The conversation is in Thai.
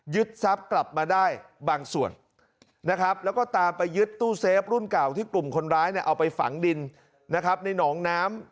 ทรัพย์กลับมาได้บางส่วนนะครับแล้วก็ตามไปยึดตู้เซฟรุ่นเก่าที่กลุ่มคนร้ายเนี่ยเอาไปฝังดินนะครับในหนองน้ำ